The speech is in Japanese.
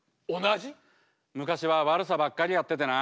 昔は悪さばっかりやっててな。